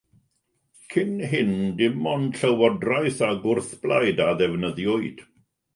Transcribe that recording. Cyn hyn, dim ond "Llywodraeth" a "Gwrthblaid" a ddefnyddiwyd.